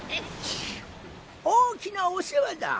大きなお世話だ！